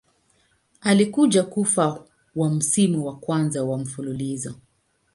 Alikuja kufa wa msimu wa kwanza wa mfululizo.